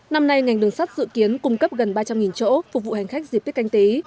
năm nay ngành đường sắt dự kiến cung cấp gần ba trăm linh chỗ phục vụ hành khách dịp tiết canh tí